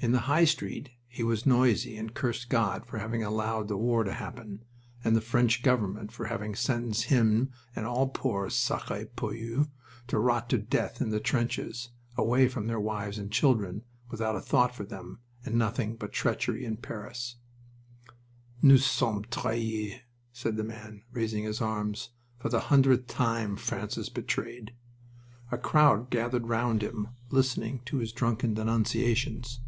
In the High Street he was noisy, and cursed God for having allowed the war to happen, and the French government for having sentenced him and all poor sacre poilus to rot to death in the trenches, away from their wives and children, without a thought for them; and nothing but treachery in Paris: "Nous sommes trahis!" said the man, raising his arms. "For the hundredth time France is betrayed." A crowd gathered round him, listening to his drunken denunciations.